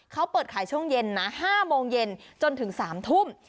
เขาเปิดขายช่วงเย็นนะ๕โมงเย็นจนถึง๓ทุ่ม